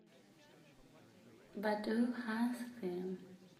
But who asked him?